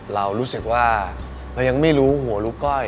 เรารู้สึกว่าเรายังไม่รู้หัวลูกก้อย